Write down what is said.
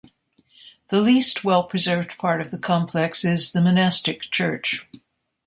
The least well-preserved part of the complex is the monastic church.